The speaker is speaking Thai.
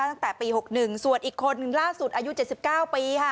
ตั้งแต่ปีหกหนึ่งส่วนอีกคนล่าสุดอายุเจ็ดสิบเก้าปีค่ะ